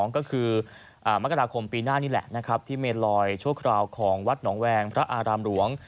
ก็คือมกราคมปีหน้านี่แหละนะครับที่เมนลอยชั่วคราวของวัดหนองแวงพระอารามหลวง